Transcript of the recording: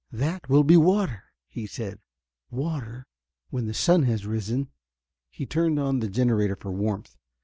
"That will be water," he said; "water, when the sun has risen." He turned on the generator for warmth.